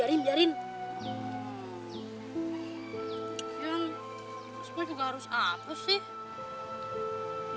yang itu sebenernya juga harus apa sih